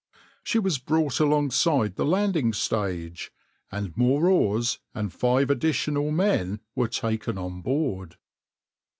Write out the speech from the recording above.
She was brought alongside the landing stage, and more oars and five additional men were taken on board.